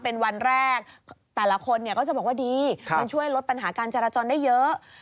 เป็นวันแรกแต่ละคนเนี่ยก็จะบอกว่าดีมันช่วยลดปัญหาการจราจรได้เยอะ